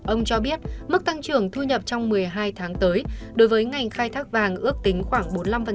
ông cho biết mức tăng trưởng thu nhập trong một mươi hai tháng tới đối với ngành khai thác vàng ước tính khoảng bốn mươi năm